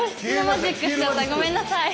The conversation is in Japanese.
ごめんなさい。